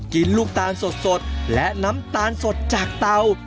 ลูกตาลสดและน้ำตาลสดจากเตา